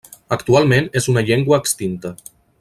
Actualment és una llengua extinta.